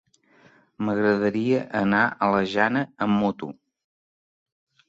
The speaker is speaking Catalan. M'agradaria anar a la Jana amb moto.